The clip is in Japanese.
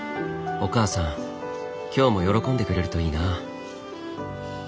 お母さん今日も喜んでくれるといいなぁ。